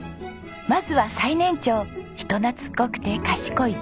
まずは最年長人懐っこくて賢いゾエちゃん。